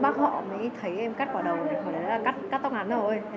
bác họ mới thấy em cắt quả đầu hồi đấy là cắt tóc ngắn thôi